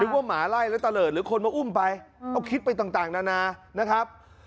ว่าหมาไล่แล้วตะเลิศหรือคนมาอุ้มไปเอาคิดไปต่างนานานะครับ